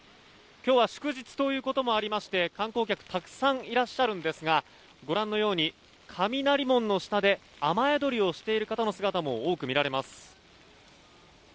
今日は祝日ということもありまして観光客たくさんいらっしゃるんですがご覧のように雷門の下で雨宿りをしている人の姿も多く見られます。